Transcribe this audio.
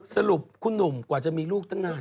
สรุปคุณหนุ่มกว่าจะมีลูกตั้งนาน